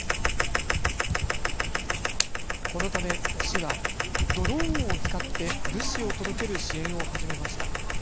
このため市はドローンを使って物資を届ける支援を始めました。